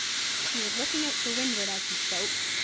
He was looking out to windward as he spoke.